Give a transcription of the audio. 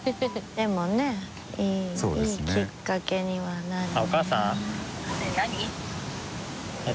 でもねいいきっかけにはなるね。